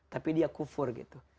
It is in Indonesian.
tapi dia kupur gitu